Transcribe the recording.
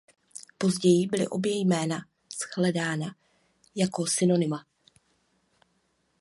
Později byly obě jména shledána jako synonyma.